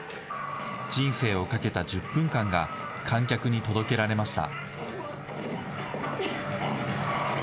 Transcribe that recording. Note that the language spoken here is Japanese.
人生をかけた１０分間が観客に届けられました。